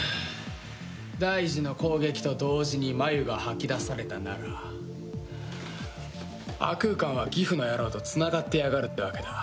大二の攻撃と同時に繭が吐き出されたなら亜空間はギフの野郎とつながってやがるってわけだ。